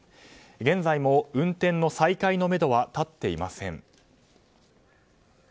現在も運転の再開のめどは立っていません。